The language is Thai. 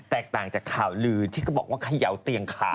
แตกต่างจากข่าวลืนที่ก็บอกว่าเขยาเตียงขา